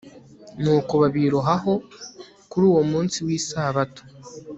nuko babirohaho kuri uwo munsi w'isabato